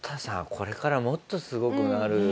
これからもっとすごくなる人ですよね。